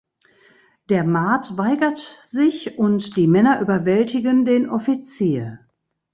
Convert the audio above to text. Der Maat weigert sich und die Männern überwältigen den Offizier.